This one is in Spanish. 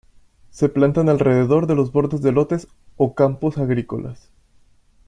Se plantan alrededor de los bordes de lotes o campos agrícolas.